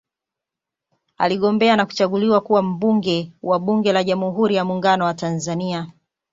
Aligombea na kuchaguliwa kuwa Mbunge wa Bunge la Jamhuri ya Muungano wa Tanzania